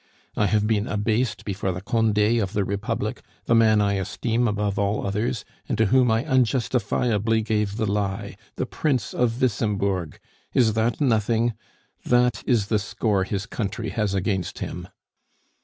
"I have been abased before the Conde of the Republic, the man I esteem above all others, and to whom I unjustifiably gave the lie the Prince of Wissembourg! Is that nothing? That is the score his country has against him!"